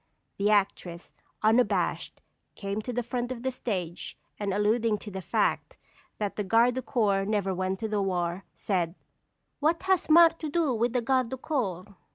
The actress, unabashed, came to the front of the stage, and alluding to the fact that the Gardes du Corps never went to war, said: "What has Mars to do with the Gardes du Corps?"